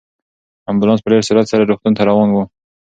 امبولانس په ډېر سرعت سره روغتون ته روان و.